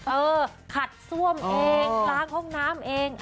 เออขัดซ่วมเองล้างห้องน้ำเอง